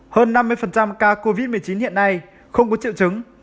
hơn năm mươi ca covid một mươi chín hiện nay không có triệu chứng